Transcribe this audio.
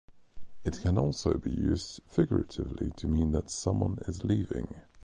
It can also be used figuratively to mean that someone is leaving.